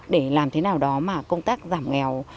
để làm thế nào đó mà công tác giảm nghèo